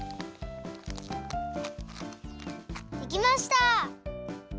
できました！